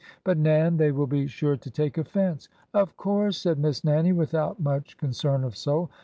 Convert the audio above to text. " But, Nan, they will be sure to take offense." "Of course!" said Miss Nannie, without much con cern of soul.